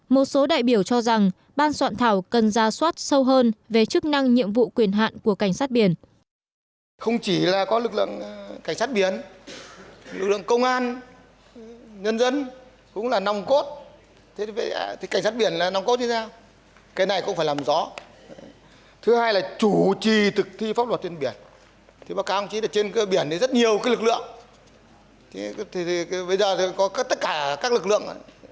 một số đại biểu cho rằng ban soạn thảo cần ra soát sâu hơn về chức năng nhiệm vụ quyền hạn của cảnh sát biển